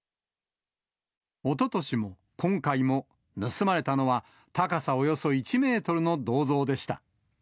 おととしも、今回も盗まれたのは、高さおよそ１メートルの銅像でした。